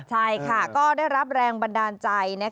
ใช่ค่ะก็ได้รับแรงบันดาลใจ